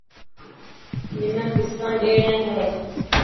منا ڪستان ڏيڻي هي.